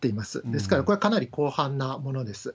ですから、これはかなり広範なものです。